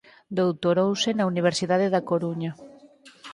Doutorouse na Universidade da Coruña.